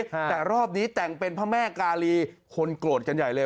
แต่รอบนี้แต่งเป็นพระแม่กาลีคนโกรธกันใหญ่เลย